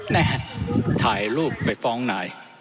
นั่นถ่ายรูปไปฟ้องหน่าย